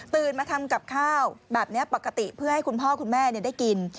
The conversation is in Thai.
มาทำกับข้าวแบบนี้ปกติเพื่อให้คุณพ่อคุณแม่ได้กิน